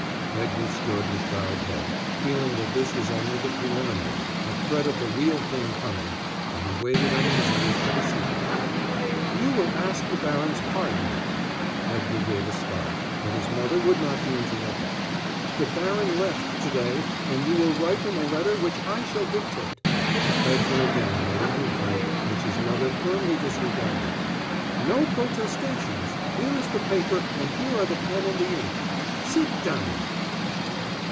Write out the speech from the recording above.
Edgar stood with bowed head, feeling that this was only the preliminary, a threat of the real thing coming, and he waited uneasily for the sequel. "You will ask the baron's pardon." Edgar gave a start, but his mother would not be interrupted. "The baron left to day, and you will write him a letter which I shall dictate." Edgar again made a movement, which his mother firmly disregarded. "No protestations. Here is the paper, and here are the pen and the ink. Sit down."